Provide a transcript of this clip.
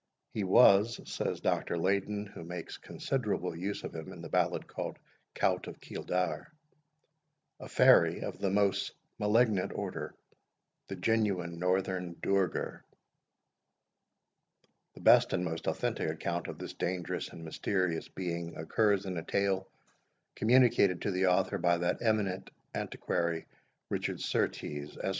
"He was," says Dr. Leyden, who makes considerable use of him in the ballad called the Cowt of Keeldar, "a fairy of the most malignant order the genuine Northern Duergar." The best and most authentic account of this dangerous and mysterious being occurs in a tale communicated to the author by that eminent antiquary, Richard Surtees, Esq.